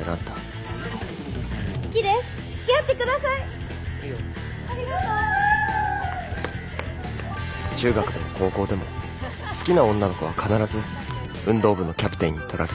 ありがとう中学でも高校でも好きな女の子は必ず運動部のキャプテンにとられた。